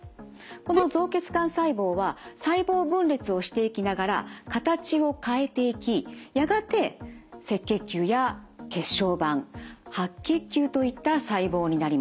この造血幹細胞は細胞分裂をしていきながら形を変えていきやがて赤血球や血小板白血球といった細胞になります。